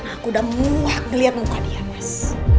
aku udah muak ngeliat muka dia mas